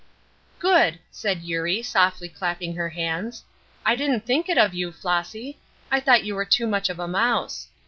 "Good!" said Eurie, softly clapping her hands. "I didn't think it of you, Flossy; I thought you were too much of a mouse.